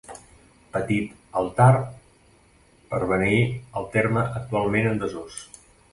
Petit altar per beneir el terme actualment en desús.